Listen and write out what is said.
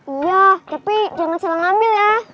iya tapi jangan salah ngambil ya